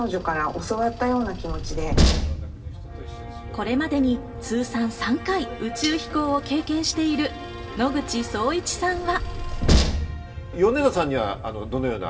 これまでに通算３回、宇宙飛行を経験している野口聡一さんは。